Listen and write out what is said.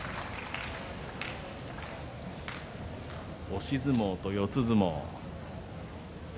押し相撲と四つ相撲。